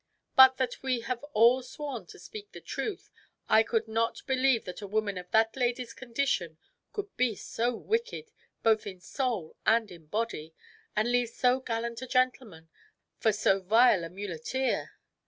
But that we have all sworn to speak the truth, I could not believe that a woman of that lady's condition could be so wicked both in soul and in body, and leave so gallant a gentleman for so vile a muleteer."